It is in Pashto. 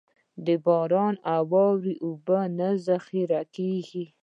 د باران او واورې اوبه نه ذخېره کېږي.